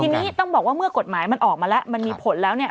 ทีนี้ต้องบอกว่าเมื่อกฎหมายมันออกมาแล้วมันมีผลแล้วเนี่ย